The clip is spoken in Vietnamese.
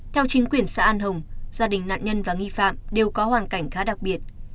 theo chính quyền xã an hồng gia đình nạn nhân và nghi phạm đều có hoàn cảnh khá đặc biệt